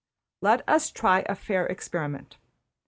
Let us try a fair experiment.